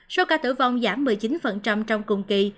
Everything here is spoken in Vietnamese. số ca tử vong giảm một mươi chín trong cùng kỳ